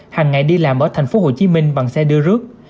hàng ngày đi làm ở tp hcm bằng xe đưa rước